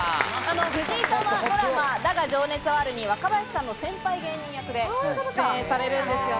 藤井さんはドラマ『だが、情熱はある』に若林さんの先輩芸人役で出演されるんですよね。